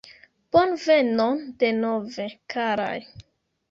Bonvenon denove, karaj.